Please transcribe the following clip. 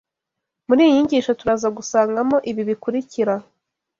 Muri iyi nyigisho Turaza gusangamo ibi bikurikira